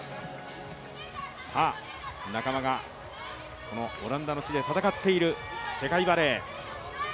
仲間がオランダの地で戦っている世界バレー。